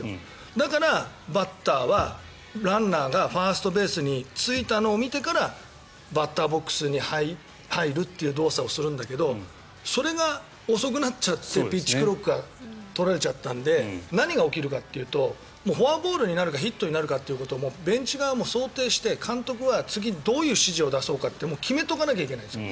だから、バッターはランナーがファーストベースに着いたのを見てからバッターボックスに入るという動作をするんだけどそれが遅くなっちゃってピッチクロックを取られちゃったので何が起きるかっていうとフォアボールになるかヒットになるかっていうこともベンチ側も想定して、監督は次にどういう指示を出そうかって決めておかなきゃいけないんです。